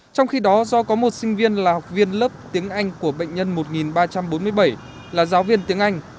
trong khi đó do có một sinh viên là học viên lớp tiếng anh của bệnh nhân một ba trăm bốn mươi bảy là giáo viên tiếng anh